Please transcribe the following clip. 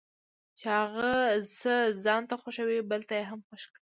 چې هغه څه ځانته خوښوي بل ته یې هم خوښ کړي.